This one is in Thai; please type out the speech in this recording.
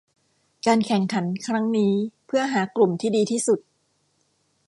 การแข่งขันครั้งนี้เพื่อหากลุ่มที่ดีที่สุด